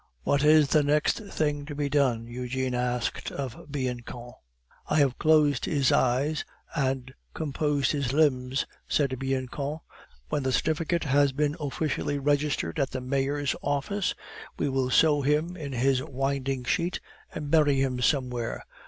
"What is the next thing to be done?" Eugene asked of Bianchon. "I have closed his eyes and composed his limbs," said Bianchon. "When the certificate has been officially registered at the Mayor's office, we will sew him in his winding sheet and bury him somewhere.